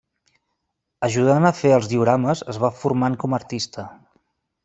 Ajudant a fer els diorames es va formant com a artista.